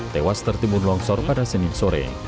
tewas tertimbun longsor pada senin sore